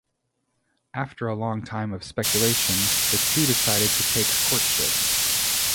After a long time of speculation, the two decided to take courtship.